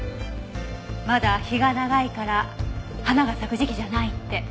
まだ日が長いから花が咲く時期じゃないって。